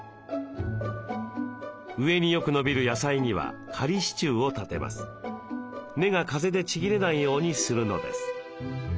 上によく伸びる野菜には仮支柱を立てます根が風でちぎれないようにするのです。